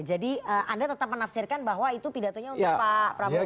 jadi anda tetap menafsirkan bahwa itu pidatonya untuk pak prabowo